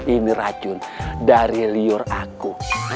ini racun dari liur aku